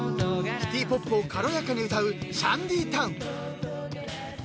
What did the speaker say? ［シティポップを軽やかに歌うシャンディタウン］